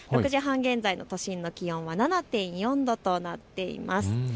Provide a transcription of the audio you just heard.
６時半現在の都心の気温は７．４度となっています。